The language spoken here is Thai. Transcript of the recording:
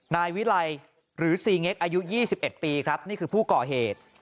นายวิไลหรือซีเง็กอายุ๒๑ปีครับนี่คือผู้ก่อเหตุ